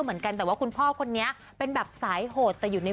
เหมือนกันแต่ว่าคุณพ่อคนนี้เป็นแบบสายโหดแต่อยู่ใน